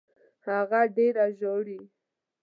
هغه ډېره ژاړي.